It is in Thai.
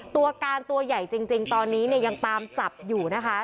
ตัวการตัวใหญ่จริงตอนนี้เนี่ยยังตามจับอยู่นะคะ